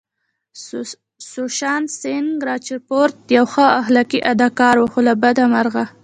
سوشانت سينګ راجپوت يو ښه او اخلاقي اداکار وو خو له بده مرغه